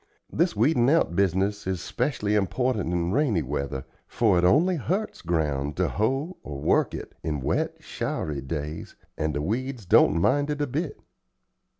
This weedin' out business is 'specially important in rainy weather, for it only hurts ground to hoe or work it in wet, showery days, and the weeds don't mind it a bit.